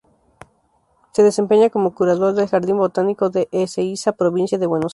Se desempeña como curador del Jardín Botánico de Ezeiza, provincia de Buenos Aires.